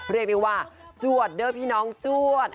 เรียกได้ว่าจวดเด้อพี่น้องจวด